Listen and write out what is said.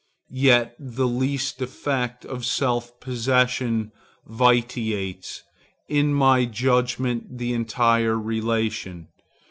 Yet the least defect of self possession vitiates, in my judgment, the entire relation.